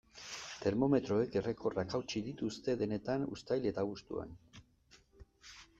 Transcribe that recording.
Termometroek errekorrak hautsi dituzte denetan uztail eta abuztuan.